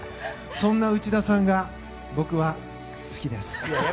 そんな内田さんが僕は好きです。